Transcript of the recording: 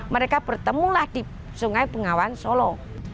mereka bertemulah di sungai bengawan solo